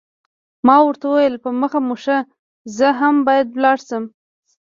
ما ورته وویل، په مخه مو ښه، زه هم باید ولاړ شم.